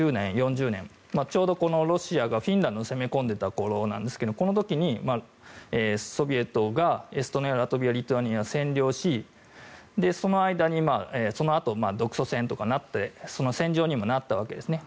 ちょうどロシアがフィンランドに攻め込んでいた頃なんですがこの時にソビエトがエストニアリトアニア、ラトビアを占領しその間にそのあと独ソ戦とかになって戦場にもなったわけですね。